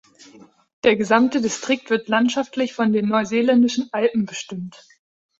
Der gesamte Distrikt wird landschaftlich von den Neuseeländischen Alpen bestimmt.